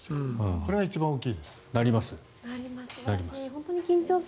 これが一番大きいんです。